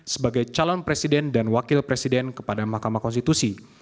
sebagai calon presiden dan wakil presiden kepada mahkamah konstitusi